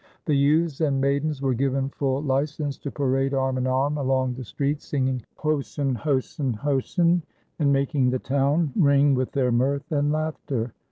The youths and maidens were given full license to parade arm in arm along the streets singing "Hossen, hossen, hossen!" and making the town ring with their mirth and laughter.